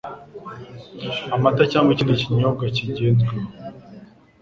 amata cyangwa ikindi kinyobwa kigenzweho